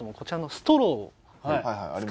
ストローを？